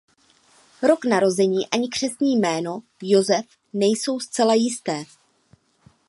Rok narození ani křestní jméno Josef nejsou zcela jisté.